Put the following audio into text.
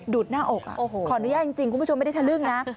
ดูดหน้าอกขออนุญาตจริงคุณผู้ชมไม่ได้ทะลึ่งนะ